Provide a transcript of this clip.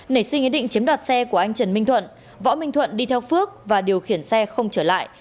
nảy sinh ý định chiếm đoạt xe của anh trần minh thuận võ minh thuận đi theo phước và điều khiển xe không trở lại